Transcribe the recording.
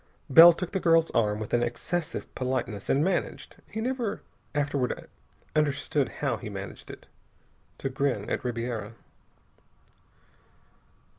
Bell took the girl's arm with an excessive politeness and managed he never afterward understood how he managed it to grin at Ribiera.